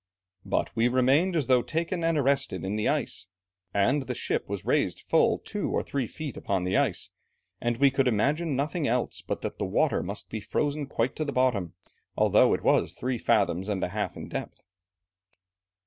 "But we remained as though taken and arrested in the ice, and the ship was raised full two or three feet upon the ice, and we could imagine nothing else but that the water must be frozen quite to the bottom, although it was three fathoms and a half in depth."